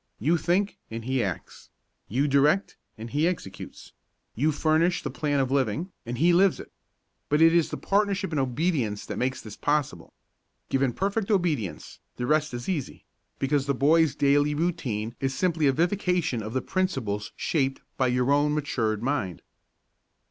You think and he acts, you direct and he executes, you furnish the plan of living and he lives it. But it is the partnership in obedience that makes this possible. Given perfect obedience, the rest is easy, because the boy's daily routine is simply a vivification of the principles shaped by your own matured mind.